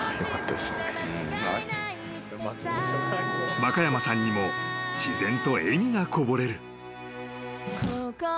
［若山さんにも自然と笑みがこぼれる］